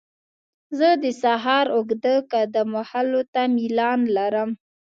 زه د سهار اوږده قدم وهلو ته میلان لرم.